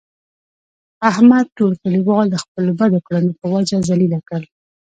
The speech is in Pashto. احمد ټول کلیوال د خپلو بدو کړنو په وجه ذلیله کړل.